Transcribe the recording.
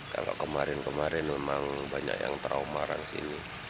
kalau kemarin kemarin memang banyak yang trauma orang sini